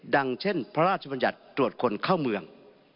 ดังเช่นพระราชบรรยัตรรวจคนเข้าเมือง